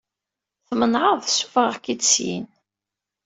Tmenɛeḍ ssufɣeɣ-k-id syin.